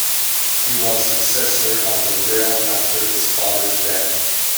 He was successor of the realm after his father's death.